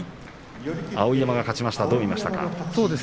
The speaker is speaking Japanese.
碧山が勝ちましたどう見ましたか。